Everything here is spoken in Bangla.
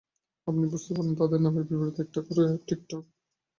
আপনি বুঝতে পারেন তাদের নামের বিপরীতে একটা করে টিক চিহ্ন দিন।